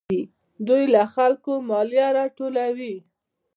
دوی له خلکو مالیه راټولوي.